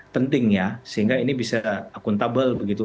penting ya sehingga ini bisa akuntabel begitu